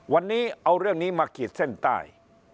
วันนี้เอาเรื่องนี้มาขีดเส้นใต้